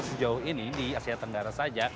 karena sejauh ini di asia tenggara saja